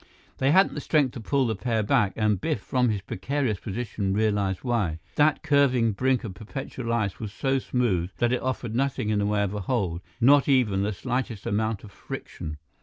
They hadn't the strength to pull the pair back, and Biff, from his precarious position, realized why. That curving brink of perpetual ice was so smooth that it offered nothing in the way of a hold, not even the slightest amount of friction.